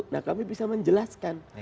nah kami bisa menjelaskan